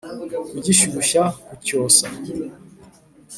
kugishyushya kucyosa